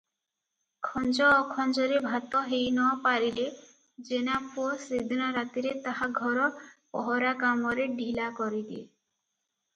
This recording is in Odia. ଖଞ୍ଜ ଅଖଞ୍ଜରେ ଭାତ ହେଇନପାରିଲେ ଜେନାପୁଅ ସେଦିନ ରାତିରେ ତାହା ଘର ପହରା କାମରେ ଢିଲା କରିଦିଏ ।